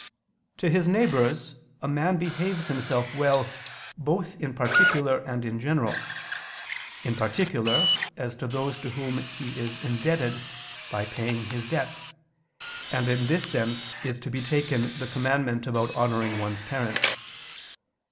To his neighbors a man behaves himself well both in particular and in general. In particular, as to those to whom he is indebted, by paying his debts: and in this sense is to be taken the commandment about honoring one's parents.